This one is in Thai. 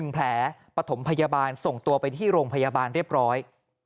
แผลปฐมพยาบาลส่งตัวไปที่โรงพยาบาลเรียบร้อย